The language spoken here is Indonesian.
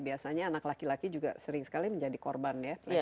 biasanya anak laki laki juga sering sekali menjadi korban ya